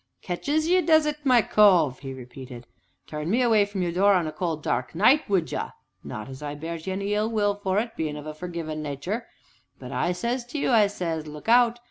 "Ketches ye, does it, my cove?" he repeated; "turn me away from your door on a cold, dark night, would ye (not as I bears you any ill will for it, bein' of a forgivin' natur')? But I says to you, I says look out!